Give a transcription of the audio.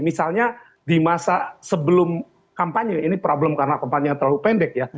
misalnya di masa sebelum kampanye ini problem karena kampanye yang terlalu pendek ya